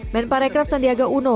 men parekraf sandiaga uno